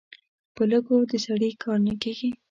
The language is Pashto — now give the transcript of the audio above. په لږو د سړي کار نه کېږي.